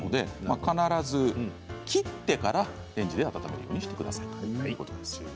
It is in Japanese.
必ず切ってからレンジで温めるようにしてください。